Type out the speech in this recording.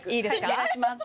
お願いします。